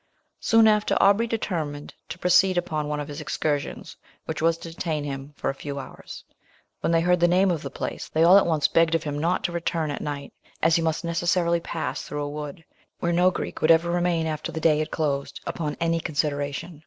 Soon after, Aubrey determined to proceed upon one of his excursions, which was to detain him for a few hours; when they heard the name of the place, they all at once begged of him not to return at night, as he must necessarily pass through a wood, where no Greek would ever remain, after the day had closed, upon any consideration.